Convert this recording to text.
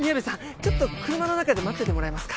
ちょっと車の中で待っててもらえますか？